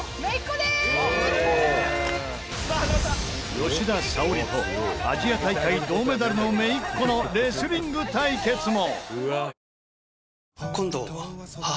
吉田沙保里とアジア大会銅メダルの姪っ子のレスリング対決も！